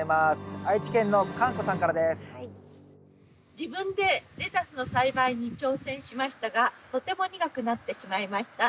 自分でレタスの栽培に挑戦しましたがとても苦くなってしまいました。